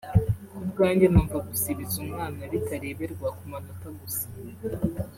ku bwanjye numva gusibiza umwana bitareberwa ku manota gusa